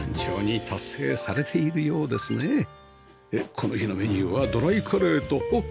でこの日のメニューはドライカレーとおっ！